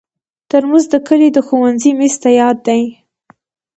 ترموز د کلي د ښوونځي میز ته یاد دی.